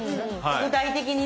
具体的にね。